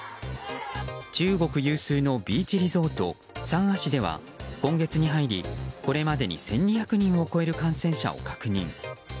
中国有数のビーチリゾート三亜市では今月に入り、これまでに１２００人を超える感染者を確認。